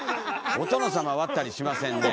お殿様割ったりしませんね。